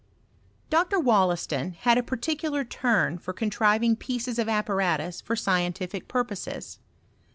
Dr. WoUaston had a particular turn for contriving pieces of apparatus for scientific purposes.